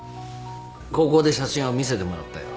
高校で写真を見せてもらったよ。